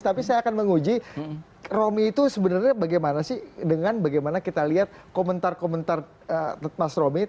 tapi saya akan menguji romy itu sebenarnya bagaimana sih dengan bagaimana kita lihat komentar komentar mas romy